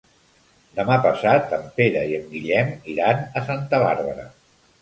Demà passat en Pere i en Guillem iran a Santa Bàrbara.